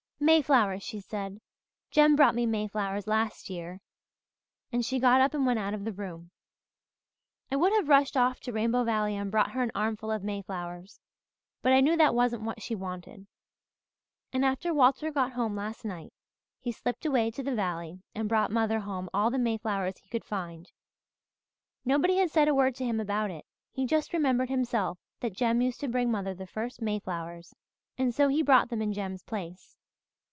'Mayflowers!' she said. 'Jem brought me mayflowers last year!' and she got up and went out of the room. I would have rushed off to Rainbow Valley and brought her an armful of mayflowers, but I knew that wasn't what she wanted. And after Walter got home last night he slipped away to the valley and brought mother home all the mayflowers he could find. Nobody had said a word to him about it he just remembered himself that Jem used to bring mother the first mayflowers and so he brought them in Jem's place.